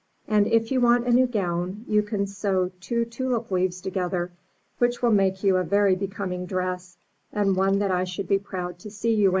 And if you want a new gown, you can sew two tulip leaves together which will make you a very becoming dress, and one that I should be proud to see you in.'